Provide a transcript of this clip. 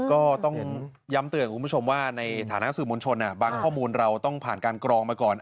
ก็ต้องย้ำเตือนคุณผู้ชมว่าในฐานะสื่อมวลชนบางข้อมูลเราต้องผ่านการกรองมาก่อน